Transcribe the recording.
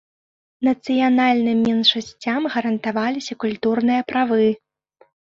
Нацыянальным меншасцям гарантаваліся культурныя правы.